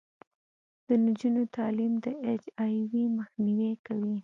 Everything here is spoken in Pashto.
د نجونو تعلیم د اچ آی وي مخنیوی کوي.